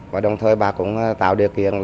và đồng thời bà cũng tạo điều kiện